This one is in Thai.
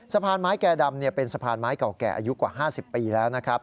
สะพานไม้แก่ดำเป็นสะพานไม้เก่าแก่อายุกว่า๕๐ปีแล้วนะครับ